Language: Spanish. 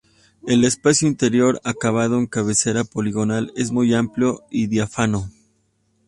El espacio interior, acabado en cabecera poligonal, es muy amplio y diáfano.